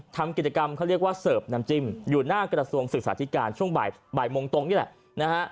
ทำกิจกรรมเขาเรียกว่าเสิร์ฟน้ำจิ้มอยู่หน้ากระทรวงศึกษาธิการช่วงบ่ายโมงตรงนี่แหละนะฮะ